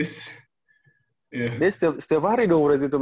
dia setiap hari dong berhenti tuh megahp itu setiap hari main game gitu gitu kan